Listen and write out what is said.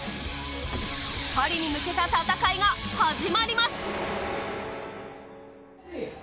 パリに向けた戦いが始まります。